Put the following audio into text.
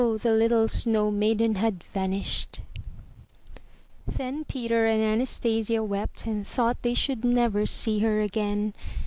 the little snow maiden had vanished ! Then Peter and Anastasia wept and thought they should never see her again.